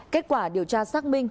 kết quả điều tra xác minh